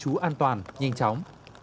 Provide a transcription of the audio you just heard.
chú an toàn nhanh chóng